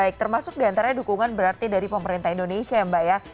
baik termasuk diantara dukungan berarti dari pemerintah indonesia ya mbak ya